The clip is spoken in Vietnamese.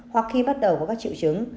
hoặc khi bắt đầu có các triệu chứng